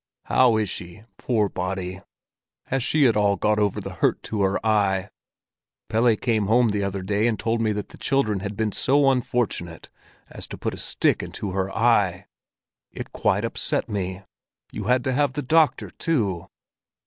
"How is she, poor body? Has she at all got over the hurt to her eye? Pelle came home the other day and told me that the children had been so unfortunate as to put a stick into her eye. It quite upset me. You had to have the doctor, too!"